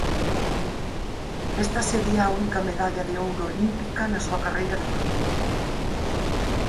Esta sería a única medalla de ouro olímpica na súa carreira deportiva.